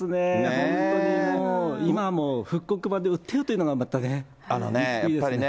本当にもう、今も復刻版で売ってるっていうのがまたね、いいですね。